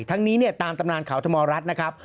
ทั้งนี้ตามตำนานเขาธมรรดิ์นะครับ